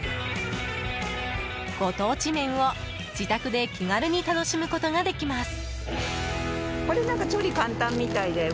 ご当地麺を、自宅で気軽に楽しむことができます。